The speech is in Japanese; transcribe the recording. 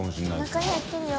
中に入ってるよ。